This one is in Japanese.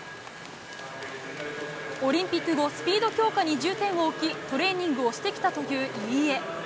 オリンピック後スピード強化に重点を置きトレーニングをしてきたという入江。